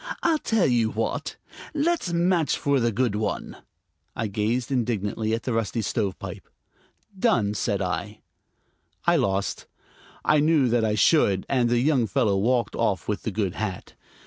"I'll tell you what; let's match for the good one." I gazed indignantly at the rusty stovepipe. "Done!" said I. I lost; I knew that I should; and the young fellow walked off with the good hat.